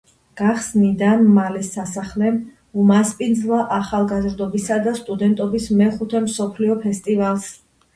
გახსნიდან მალე სასახლემ უმასპინძლა ახალგაზრდობისა და სტუდენტობის მეხუთე მსოფლიო ფესტივალს.